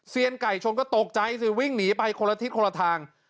ไก่ชนก็ตกใจสิวิ่งหนีไปคนละทิศคนละทาง